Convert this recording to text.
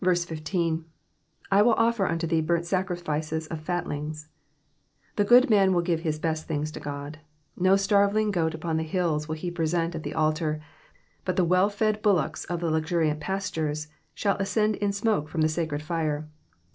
15. "/ wiU offer unto thee burnt sacrifices of failings.'*'* The good man will give his best things to God. No starveling goat upon the hills will he present at the altar, but the well fed bullocks of the luxuriant pastures shall ascend in smoke from the sacred fire.